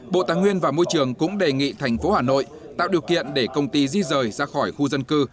bộ tài nguyên và môi trường cũng đề nghị thành phố hà nội tạo điều kiện để công ty di rời ra khỏi khu dân cư